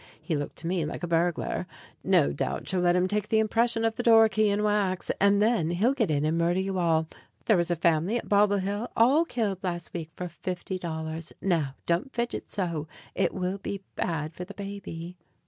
He looked to me like a burglar. No doubt she'll let him take the impression of the door key in wax, and then he'll get in and murder you all. There was a family at Bobble Hill all killed last week for fifty dollars. Now, don't fidget so; it will be bad for the baby.